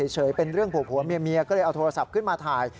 เป็นเรื่องผัวเมียก็เลยเอาโทรศัพท์ขึ้นมาถ่าย